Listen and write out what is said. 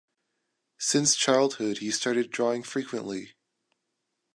Since childhood he started drawing frequently.